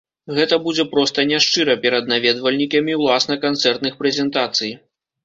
Гэта будзе проста няшчыра перад наведвальнікамі ўласна канцэртных прэзентацый.